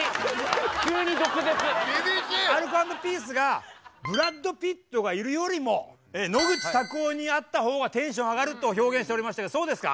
アルコ＆ピースがブラッド・ピットがいるよりも野口たくおに会った方がテンション上がると表現しておりましたけどそうですか？